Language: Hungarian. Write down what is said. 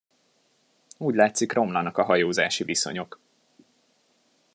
Úgy látszik, romlanak a hajózási viszonyok.